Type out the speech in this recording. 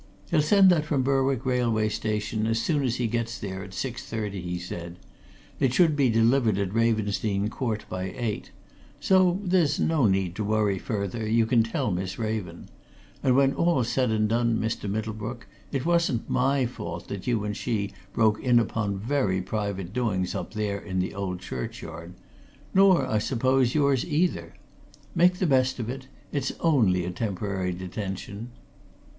"He'll send that from Berwick railway station as soon as he gets there, at six thirty," he said. "It should be delivered at Ravensdene Court by eight. So there's no need to worry further, you can tell Miss Raven. And when all's said and done, Mr. Middlebrook, it wasn't my fault that you and she broke in upon very private doings up there in the old churchyard nor, I suppose, yours either. Make the best of it! it's only a temporary detention."